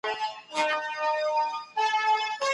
روښانه فکر جنجال نه پیدا کوي.